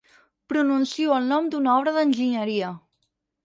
Pronuncio el nom d'una obra d'enginyeria.